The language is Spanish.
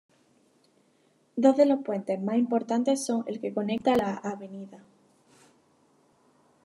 Dos de los puentes más importantes son el que conecta la Av.